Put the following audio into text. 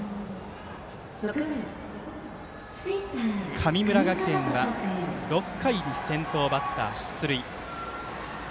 神村学園は６回に先頭バッター出塁。